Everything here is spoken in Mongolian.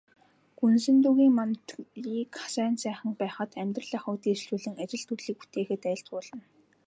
Гүсэнтүгийн мандлыг сайн сайхан байхад, амьдрал ахуйг дээшлүүлэн, ажил төрлийг бүтээхэд айлтгуулна.